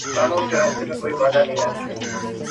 چي خبر یې خپل هوښیار وزیر په ځان کړ.